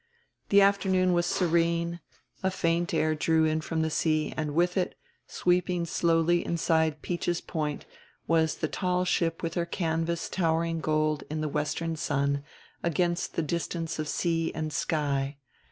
The afternoon was serene, a faint air drew in from the sea; and with it, sweeping slowly inside Peach's Point, was the tall ship with her canvas towering gold in the western sun against the distance of sea and sky.